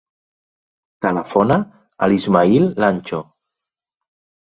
Telefona a l'Ismaïl Lancho.